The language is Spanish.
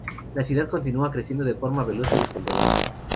La ciudad continua creciendo de forma veloz y descontrolada.